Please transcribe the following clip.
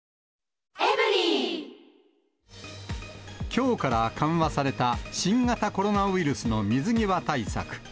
きょうから緩和された新型コロナウイルスの水際対策。